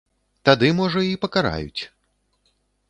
Тады, можа, і пакараюць.